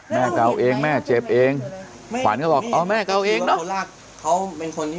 แม่เก่าเองแม่เจ็บเองขวัญก็บอกเอาแม่เก่าเองเนอะ